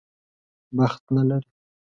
بخت نه لري.